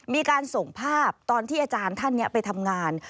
มีการส่งภาพตอนที่อาจารย์ท่านนี้ไปทำงาน